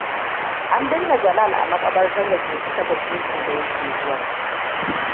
An binne Jalal a maƙabartar da ke kusa da cocin da ya ke zuwa.